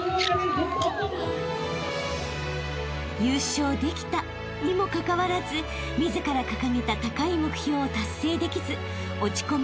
［優勝できたにもかかわらず自ら掲げた高い目標を達成できず落ち込む茉奈さん］